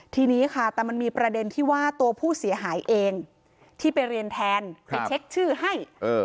ทีนี้ค่ะแต่มันมีประเด็นที่ว่าตัวผู้เสียหายเองที่ไปเรียนแทนไปเช็คชื่อให้